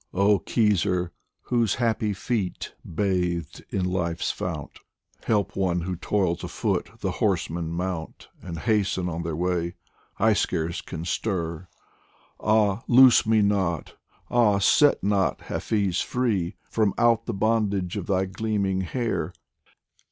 Oh Khizr, whose happy feet bathed in life's fount, Help one who toils afoot the horsemen mount And hasten on their way ; I scarce can stir. 88 DIVAN OF HAFIZ Ah, loose me not ! ah, set not Hafiz free From out the bondage of thy gleaming hair